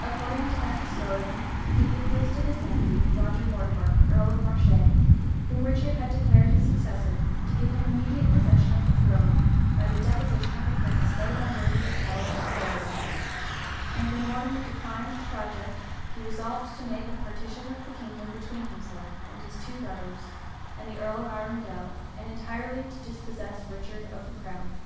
According to that historian, he proposed to his nephew, Roger Mortimer, earl of Marche, whom Richard had declared his successor, to give him immediate possession of the throne, by the deposition of a prince so unworthy of power and authority: and when Mortimer declined the project, he resolved to make a partition of the kingdom between himself, his two brothers, and the earl of Arundel; and entirely to dispossess Richard of the crown.